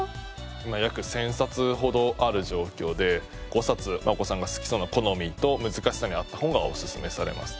今約１０００冊ほどある状況で５冊お子さんが好きそうな好みと難しさに合った本がおすすめされます。